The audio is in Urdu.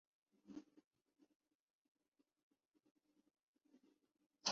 میں بھی نفاذ شریعت کا مفہوم طے کرنے سے معذور ہوں۔